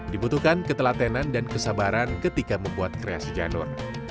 dibutuhkan ketelatenan dan kesabaran ketika membuat kreasi janur